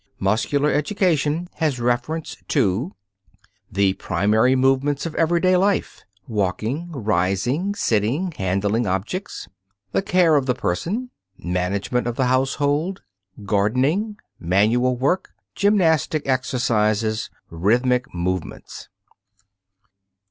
Muscular education has reference to: The primary movements of everyday life (walking, rising, sitting, handling objects). The care of the person. Management of the household. Gardening. Manual work. Gymnastic exercises. Rhythmic movements. [Illustration: FIG. 3. FRAMES FOR LACING AND BUTTONING.